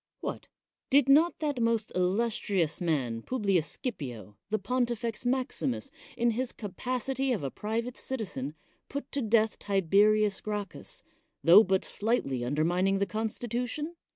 What? Did not that most illustrious mar Publius Scipio, the Pontifex Maximus, in hi capacity of a private citizen, put to death Tib( rius Gracchus, tho but slightly undermining th constitution